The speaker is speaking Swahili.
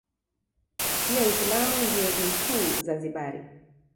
Pia uislamu ndio dini kuu Zanzibari